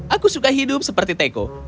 aku suka hidup seperti teko